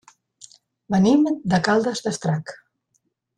Venim de Caldes d'Estrac.